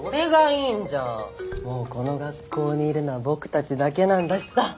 もうこの学校にいるのはボクたちだけなんだしさ。